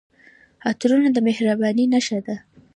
عطرونه د مهربانۍ نښه ده.